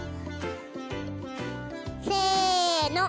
せの。